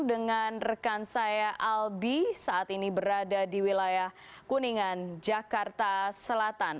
dengan rekan saya albi saat ini berada di wilayah kuningan jakarta selatan